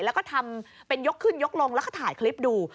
แล้วก็ทำเป็นยกขึ้นยกลงแล้วก็ถ่ายคลิปดู